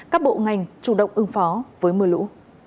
các bộ ngành chủ động ứng phó với mưa lũ